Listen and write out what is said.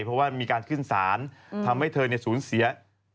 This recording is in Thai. เพราะว่ามีการขึ้นศาลทำให้เธอสูญเสีย